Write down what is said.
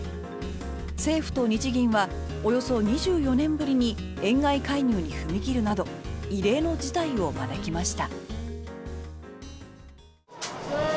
政府と日銀はおよそ２４年ぶりに円買い介入に踏み切るなど異例の事態を招きました。